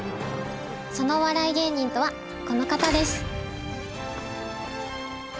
そのお笑い芸人とはこの方です。